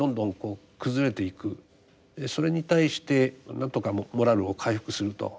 それに対して何とかモラルを回復すると。